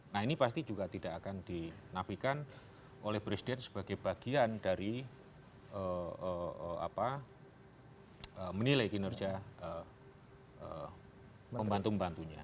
nah ini pasti juga tidak akan dinafikan oleh presiden sebagai bagian dari menilai kinerja pembantu pembantunya